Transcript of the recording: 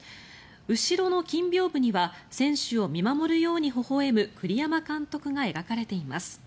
後ろの金びょうぶには選手を見守るようにほほ笑む栗山監督が描かれています。